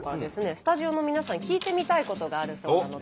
スタジオの皆さんに聞いてみたいことがあるそうなので。